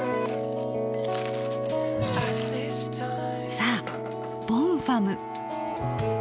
さあボンファム。